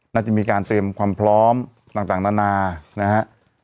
น่าจะมีการเตรียมความพร้อมต่างนานานะฮะ